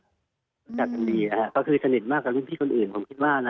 รู้จักกันดีนะฮะก็คือสนิทมากกว่ารุ่นพี่คนอื่นผมคิดว่านะ